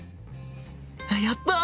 やった！